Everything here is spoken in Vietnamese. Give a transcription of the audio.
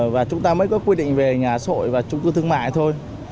và chúng ta mới có quy định về nhà sội và trung cư thương mại thôi